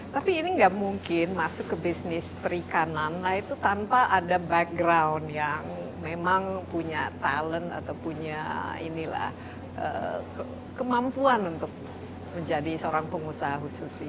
tapi ini nggak mungkin masuk ke bisnis perikanan lah itu tanpa ada background yang memang punya talent atau punya inilah kemampuan untuk menjadi seorang pengusaha khusus